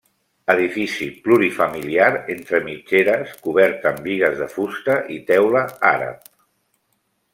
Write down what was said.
Edifici plurifamiliar entre mitgeres cobert amb bigues de fusta i teula àrab.